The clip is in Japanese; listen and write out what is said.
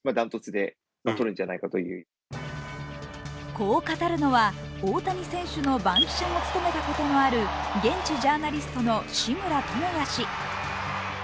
こう語るのは、大谷選手の番記者も務めたこともある現地ジャーナリストの志村朋哉氏。